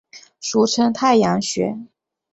俗称太阳穴。